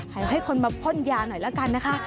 ให้คนมาพ่นยาหน่อยแล้วกันนะคะ